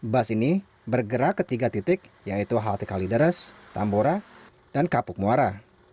bus ini bergerak ke tiga titik yaitu halte kalideres tambora dan kapuk muara